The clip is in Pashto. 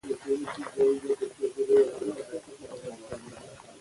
زمرد د افغانانو د تفریح یوه وسیله ده.